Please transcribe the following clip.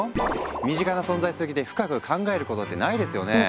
身近な存在すぎて深く考えることってないですよね。